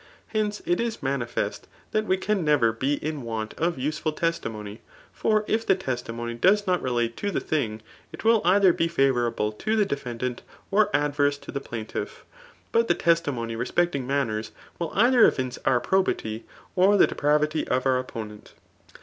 Hence, it is manifest that we can never be m want of useful testimony ; for if the testimony does not relate to the thing, it will either be favourable to the de^ fendant, or adverse to the ptaintiflF. But the testimony respecting manners, will either evince our probity, or the depravity of our opponent.